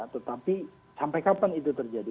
tetapi sampai kapan itu terjadi